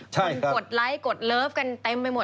ใช่ครับคุณกดไลค์กดเลิฟกันเต็มไปหมดเลย